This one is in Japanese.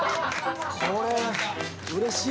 これはうれしい！